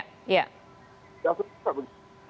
tidak seperti itu